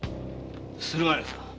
駿河屋さん